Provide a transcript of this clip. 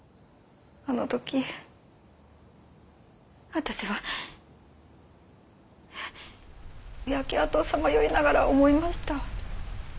あの時私は焼け跡をさまよいながら思いました。